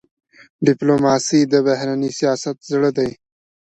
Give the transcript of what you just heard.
ډيپلوماسي د بهرني سیاست زړه دی.